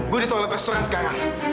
gue di toilet restoran sekarang